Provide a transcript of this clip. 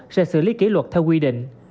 sẽ xử lý kỷ luật theo quy định